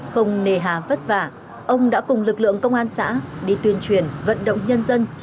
không nề hà vất vả ông đã cùng lực lượng công an xã đi tuyên truyền vận động nhân dân